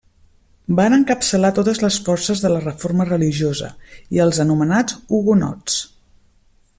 Van encapçalar totes les forces de la reforma religiosa, i els anomenats hugonots.